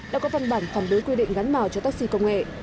đã có văn bản phản đối quy định gắn màu cho taxi công nghệ